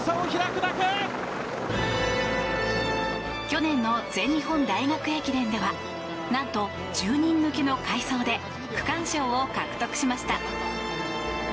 去年の全日本大学駅伝では何と、１０人抜きの快走で区間賞を獲得しました。